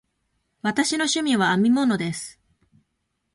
私の趣味は編み物です。